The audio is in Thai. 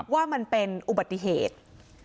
ว่ามันเป็นอุบัติเหตุ